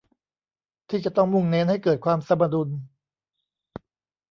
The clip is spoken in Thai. ที่จะต้องมุ่งเน้นให้เกิดความสมดุล